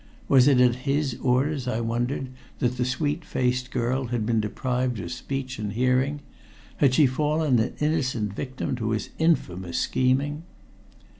Was it at his orders, I wondered, that the sweet faced girl had been deprived of speech and hearing? Had she fallen an innocent victim to his infamous scheming?